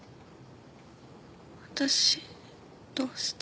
私どうして。